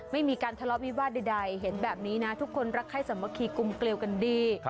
ไม่มีการทะเลาะวิวาสใดเห็นแบบนี้นะทุกคนรักไข้สามัคคีกุมเกลียวกันดี